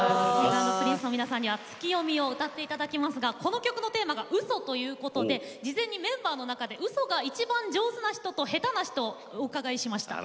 Ｋｉｎｇ＆Ｐｒｉｎｃｅの皆さんには「ツキヨミ」を歌っていただきますがこの曲のテーマがうそということで事前にメンバーの中でうそがいちばん上手な人と下手な人をお伺いしました。